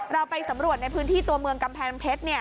เราไปสำรวจในพื้นที่ตัวเมืองกำแพงเพชร